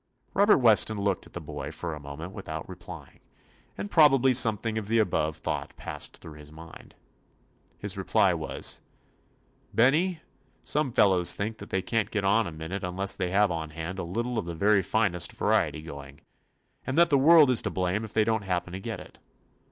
Robert Weston looked at the boy for a moment without replying, and probably something of the above thought passed through his mind. His reply was: "Benny, some fel lows think that they can't get on a minute unless they have on hand a lit tle of the very finest variety going, and that the world is to blame if they don't happen to get it.